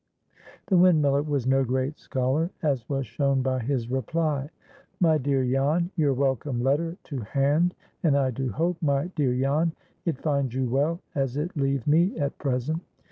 The windmiller was no great scholar, as was shown by his reply:— "MY DEAR JAN, "Your welcome letter to hand, and I do hope, my dear Jan, It finds you well as it leave me at present.